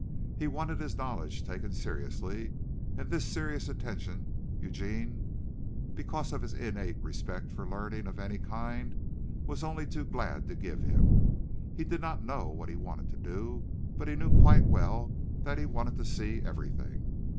He wanted his knowledge taken seriously, and this serious attention, Eugene, because of his innate respect for learning of any kind, was only too glad to give him. He did not know what he wanted to do, but he knew quite well that he wanted to see everything.